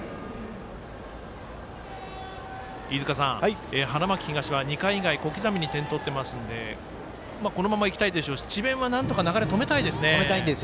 飯塚さん、花巻東は２回以外小刻みに点を取っていますのでこのままいきたいでしょうし智弁は流れを止めたいですよね。